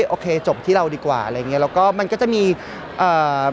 โอเคจบที่เราดีกว่าอะไรอย่างเงี้แล้วก็มันก็จะมีเอ่อ